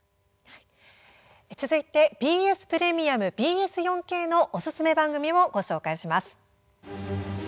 ＢＳプレミアム、ＢＳ４Ｋのおすすめ番組をご紹介します。